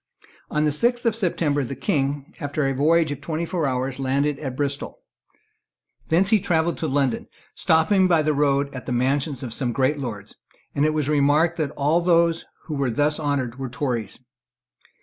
On the sixth of September the King, after a voyage of twenty four hours, landed at Bristol. Thence he travelled to London, stopping by the road at the mansions of some great lords, and it was remarked that all those who were thus honoured were Tories.